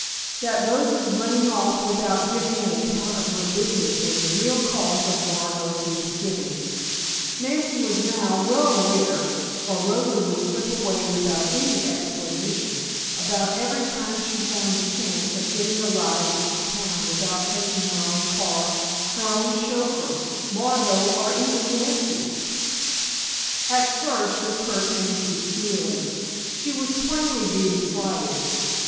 That Rosa's running off without giving an account of her business was the real cause of Margot's misgivings, Nancy was now well aware, for Rosa would slip away without any explanation, about every time she found the chance of getting a ride into town without taking her own car, her own chauffeur, Margot or even Nancy. At first this hurt Nancy's feelings. She was plainly being slighted.